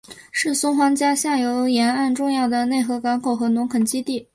是松花江下游沿岸重要的内河港口和农垦基地。